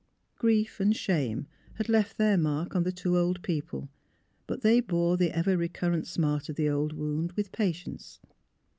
Grief and shame had left their mark on the two old people. But they bore the ever recurrent smart of the old wound with patience.